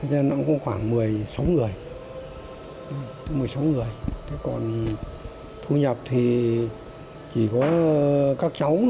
nó cũng có khoảng một mươi sáu người một mươi sáu người thế còn thu nhập thì chỉ có các cháu